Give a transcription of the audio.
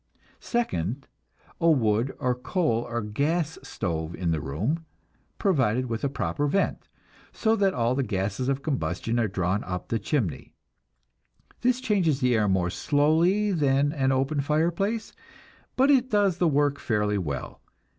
Second, a wood or coal or gas stove in the room, provided with a proper vent, so that all the gases of combustion are drawn up the chimney. This changes the air more slowly than an open fireplace, but it does the work fairly well.